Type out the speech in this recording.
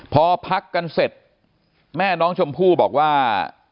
พอพักกันเสร็จแม่น้องชมพู่บอกว่า